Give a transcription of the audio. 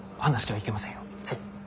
はい。